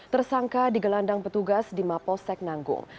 tersangka digelandang petugas di mapolsek nanggung